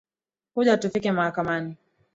Kuja tufike mahakamani